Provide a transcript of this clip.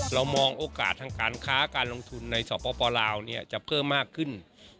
เรามองโอกาสทางการค้าการลงทุนในสปลาวจะเพิ่มมากขึ้น